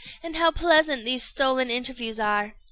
and how pleasant these stolen interviews are!